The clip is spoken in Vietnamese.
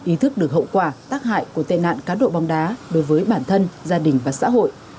ý thức được hậu quả tác hại của tệ nạn cá độ bóng đá đối với bản thân gia đình và xã hội